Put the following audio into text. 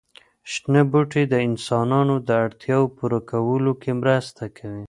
شنه بوټي د انسانانو د اړتیاوو پوره کولو کې مرسته کوي.